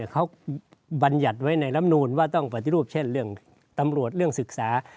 เขาบรรยัติไว้ในลำนูนว่าต้องปฏิรูปเช่นเรื่องตำรวจเรื่องศึกษา